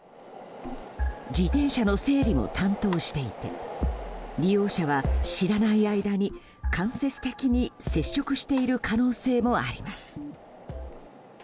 自転車の整理も担当していて利用者は、知らない間に間接的に接触している可能性もあります。